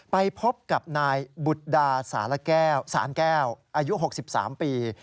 ไปพบกับนายบุฏดาสานแก้วอายุ๖๓ปี